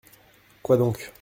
Quoi donc ?